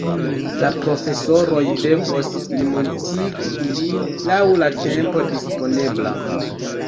La profesoroj devos plimultigi ilin laŭ la tempo disponebla.